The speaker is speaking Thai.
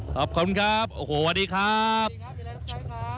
ขอบคุณครับโอ้โหสวัสดีครับสวัสดีครับอย่าแล้วรับใจครับ